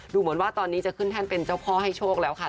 ดูเหมือนว่าตอนนี้จะขึ้นแท่นเป็นเจ้าพ่อให้โชคแล้วค่ะ